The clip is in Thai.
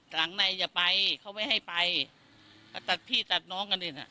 หลังในอย่าไปเขาไม่ให้ไปก็ตัดพี่ตัดน้องกันดิน่ะ